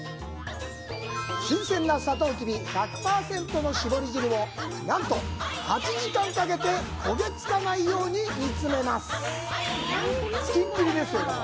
新鮮なサトウキビ１００％の搾り汁を、なんと８時間かけて、焦げつかないように煮詰めます。